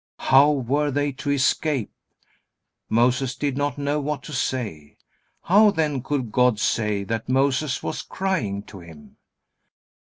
How were they to escape? Moses did not know what to say. How then could God say that Moses was crying to Him?